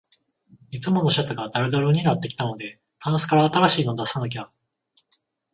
いつものシャツがだるだるになってきたので、タンスから新しいの出さなきゃ